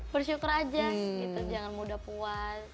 bersyukur aja gitu jangan mudah puas